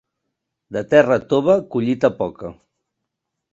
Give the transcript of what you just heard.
De terra tova, collita poca.